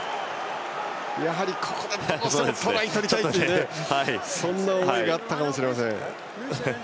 やはりここでどうしてもトライを取りたいとそんな思いがあったかもしれません。